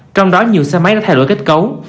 trong đó nhiều xe máy đã thay đổi kết cấu